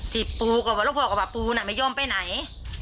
ที่ปู่ก็ว่าล้องพ่อก็ว่าปู่น่ะไม่ยอมไปไหน